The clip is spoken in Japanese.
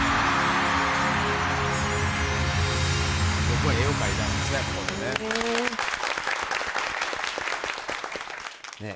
僕は絵を描いたんですね